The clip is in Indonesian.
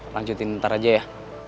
lanjutin ntar aja ya